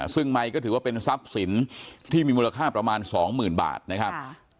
ซึ่งไมค์ก็ถือว่าเป็นทรัพย์สินที่มีมูลค่าประมาณสองหมื่นบาทนะครับ